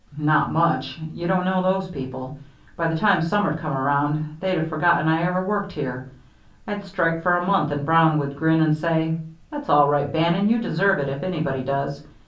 "Not much. You don't know those people. By the time summer'd come around, they'd have forgotten I ever worked here. I'd strike for a month and Brown would grin and say: 'That's all right, Bannon, you deserve it if anybody does.